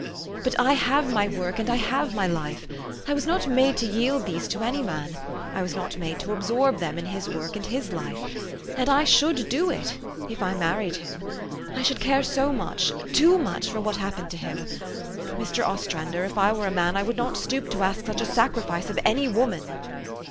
But I have my work, and I have my life. I was not made to yield these to any man. I was not made to absorb them in his work and his life. And I should do it if I married him. I should care so much too much for what happened to him. ... Mr. Ostrander, if I were a man, I would not stoop to ask such a sacrifice of any woman!